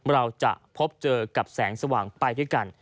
เราจะพบเจอกับแสงสว่างไปด้วยกัน